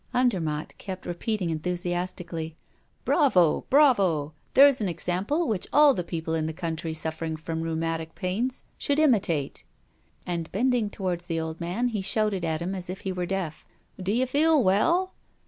Andermatt kept repeating enthusiastically: "Bravo! bravo! there's an example which all the people in the country suffering from rheumatic pains should imitate." And, bending toward the old man, he shouted at him as if he were deaf: "Do you feel well?"